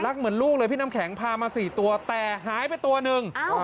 เหมือนลูกเลยพี่น้ำแข็งพามา๔ตัวแต่หายไปตัวหนึ่ง